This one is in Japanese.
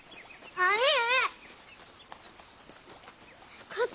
兄上！